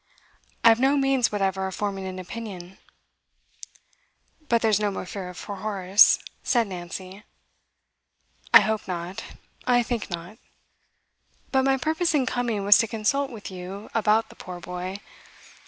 'I have no means whatever of forming an opinion.' 'But there's no more fear for Horace,' said Nancy. 'I hope not I think not. But my purpose in coming was to consult with you about the poor boy.